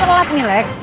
kita terlat nih lex